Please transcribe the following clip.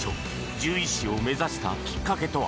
獣医師を目指したきっかけとは？